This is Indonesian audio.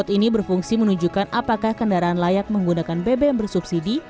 dan ini berfungsi menunjukkan apakah kendaraan layak menggunakan bbm bersubsidi